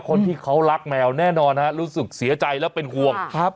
คนที่เขารักแมวแน่นอนฮะรู้สึกเสียใจและเป็นห่วงครับ